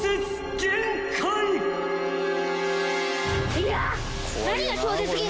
いや。